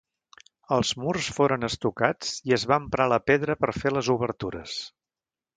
Els murs foren estucats i es va emprar la pedra per fer les obertures.